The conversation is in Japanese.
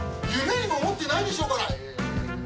夢にも思ってないでしょうから。